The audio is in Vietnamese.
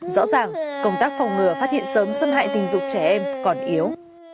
rõ ràng công tác phòng ngừa phát hiện sớm xâm hại tình dục trẻ em còn yếu